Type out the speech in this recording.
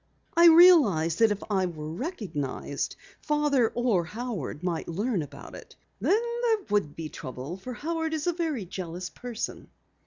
I realized that if I were recognized, Father or Howard might learn about it. Then there would be trouble, for Howard is a very jealous person."